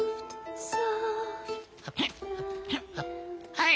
はい！